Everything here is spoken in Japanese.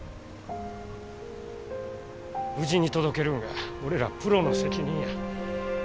無事に届けるんが俺らプロの責任や。